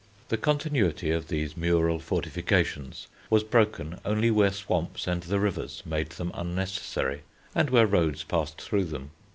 The continuity of these mural fortifications was broken only where swamps and the rivers made them unnecessary and where roads passed through them.